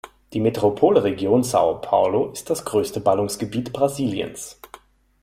Die Metropolregion São Paulo ist das größte Ballungsgebiet Brasiliens.